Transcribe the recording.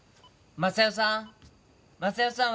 ・昌代さん。